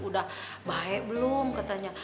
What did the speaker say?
udah baik belum katanya